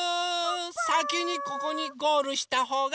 さきにここにゴールしたほうがかちです！